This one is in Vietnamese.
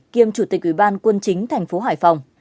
kiêm chủ tịch ủy ban quân chính tp hf